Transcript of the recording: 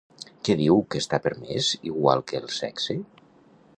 Què diu que està permès igual que el sexe?